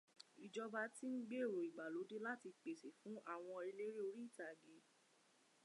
Ìjọba ti ń gbẹ̀rọ ìgbàlódé láti pèsè fún àwọn eléré orí ìtàgé